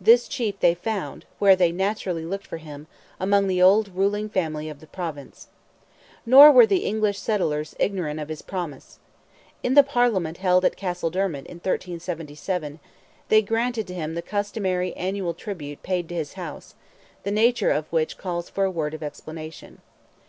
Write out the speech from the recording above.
This chief they found, where they naturally looked for him, among the old ruling family of the Province. Nor were the English settlers ignorant of his promise. In the Parliament held at Castledermot in 1377, they granted to him the customary annual tribute paid to his house, the nature of which calls for a word of explanation.